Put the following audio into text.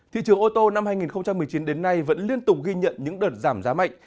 thị trường ô tô năm hai nghìn một mươi chín đến nay vẫn liên tục ghi nhận những đợt giảm giá mạnh